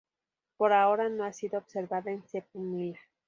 Por ahora no ha sido observada en "C. pumila".